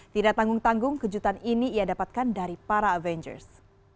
tidak tanggung tanggung kejutan ini ia dapatkan dari para avengers